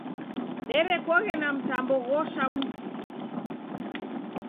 Derekoghe na mtambo ghosha mfu.